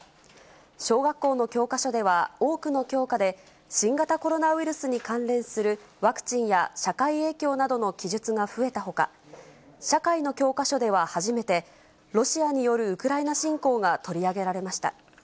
小学校の教科書では、多くの教科で新型コロナウイルスに関連するワクチンや社会影響などの記述が増えたほか、社会の教科書では初めて、ロシアによるウクライナ侵攻が取り上げられました。